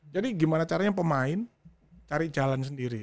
jadi gimana caranya pemain cari jalan sendiri